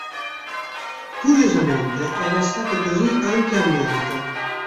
Curiosamente era stato così anche a Monaco.